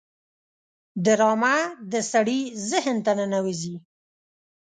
ډرامه د سړي ذهن ته ننوزي